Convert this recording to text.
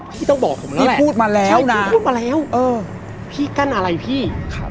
พี่ต้องบอกผมแล้วนี่พูดมาแล้วพี่พูดมาแล้วพี่กั้นอะไรพี่